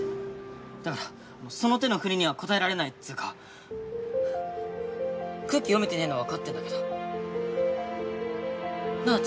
だからその手の振りには応えられないっつうか空気読めてねぇのは分かってんだけどなぁ